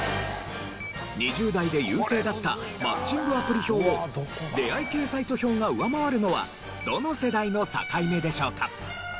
２０代で優勢だったマッチングアプリ票を出会い系サイト票が上回るのはどの世代の境目でしょうか？